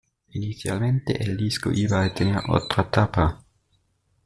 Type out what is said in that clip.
Inicialmente el disco iba a tener otra tapa.